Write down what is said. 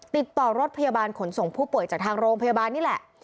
ติดต่อรถพยาบาลขนส่งผู้ป่วยจากทางโรงพยาบาลนี่แหละ